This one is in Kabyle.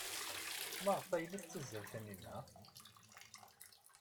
Maɣef ay la tettazzal Taninna?